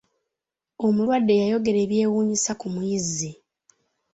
omulwadde yayogera eby'ewunyisa ku muyizi.